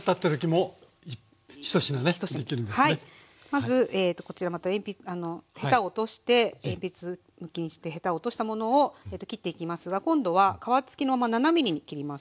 まずこちらまたヘタを落として鉛筆むきにしてヘタを落としたものを切っていきますが今度は皮つきのまま７ｍｍに切ります。